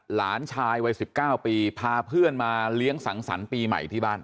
หลานชายวัย๑๙ปีพาเพื่อนมาเลี้ยงสังสรรค์ปีใหม่ที่บ้าน